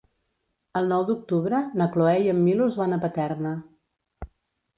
El nou d'octubre na Cloè i en Milos van a Paterna.